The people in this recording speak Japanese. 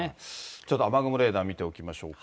ちょっと雨雲レーダー見ておきましょうか。